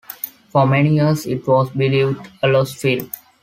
For many years, it was believed a lost film.